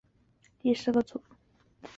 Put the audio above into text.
星组是宝冢歌剧团的第四个组。